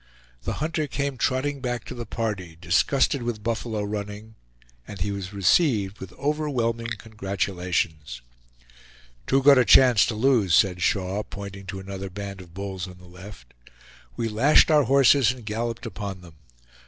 The hunter came trotting back to the party, disgusted with buffalo running, and he was received with overwhelming congratulations. "Too good a chance to lose," said Shaw, pointing to another band of bulls on the left. We lashed our horses and galloped upon them.